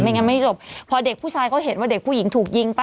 งั้นไม่จบพอเด็กผู้ชายเขาเห็นว่าเด็กผู้หญิงถูกยิงปั